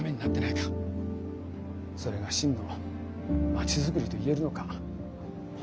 それが真の街づくりと言えるのか。